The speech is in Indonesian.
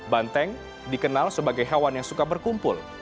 banteng dikenal sebagai hewan yang suka berkumpul